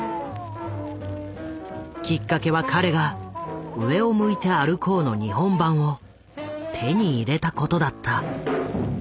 きっかけは彼が「上を向いて歩こう」の日本盤を手に入れたことだった。